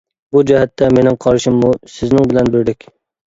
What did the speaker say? بۇ جەھەتتە مېنىڭ قارىشىممۇ سىزنىڭ بىلەن بىردەك.